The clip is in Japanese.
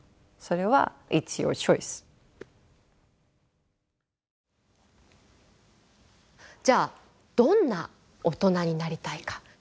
それはじゃあどんな大人になりたいか。